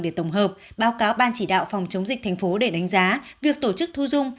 để tổng hợp báo cáo ban chỉ đạo phòng chống dịch thành phố để đánh giá việc tổ chức thu dung